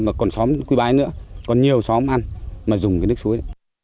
mà còn xóm quy bái nữa còn nhiều xóm ăn mà dùng cái nước suối